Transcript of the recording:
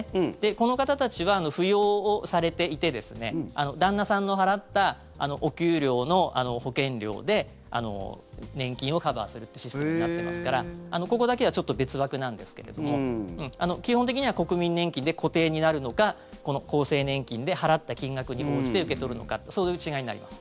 この方たちは扶養をされていて旦那さんが払ったお給料の保険料で年金をカバーするというシステムになっていますからここだけはちょっと別枠なんですけど基本的には国民年金で固定になるのか厚生年金で払った金額に応じて受け取るのかそういう違いになります。